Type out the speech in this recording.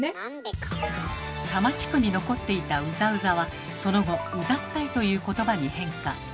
多摩地区に残っていた「うざうざ」はその後「うざったい」という言葉に変化。